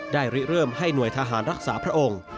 ริเริ่มให้หน่วยทหารรักษาพระองค์